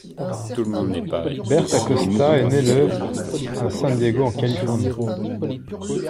Bert Acosta est né le à San Diego, en Californie.